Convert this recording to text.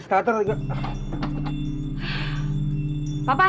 sebelumnya karena tujuannya fabricator